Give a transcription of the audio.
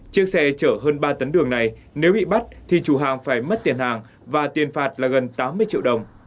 chiếc xe chở hơn ba tấn đường này nếu bị bắt thì chủ hàng phải mất tiền hàng và tiền phạt là gần tám mươi triệu đồng